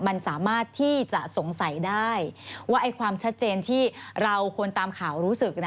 มันสามารถที่จะสงสัยได้ว่าความชัดเจนที่เราคนตามข่าวรู้สึก